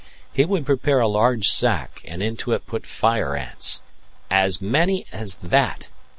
He would prepare a large sack and into it put fire ants "As many as that!"